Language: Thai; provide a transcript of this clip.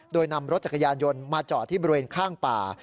โดยนำรถจักรยานยนต์มาจอดที่บริเวณข้างป่า